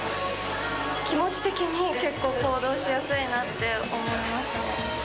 気持ち的にもう、結構行動しやすいなって思いましたね。